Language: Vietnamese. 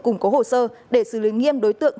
củng cố hồ sơ để xử lý nghiêm đối tượng